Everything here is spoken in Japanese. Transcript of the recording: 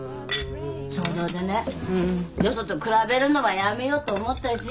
想像でねよそと比べるのはやめようと思ったし。